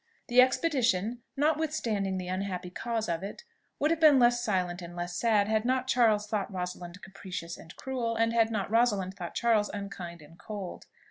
The expedition, notwithstanding the unhappy cause of it, would have been less silent and less sad, had not Charles thought Rosalind capricious and cruel, and had not Rosalind thought Charles unkind and cold.